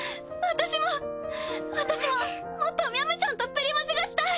私ももっとみゃむちゃんとプリマジがしたい！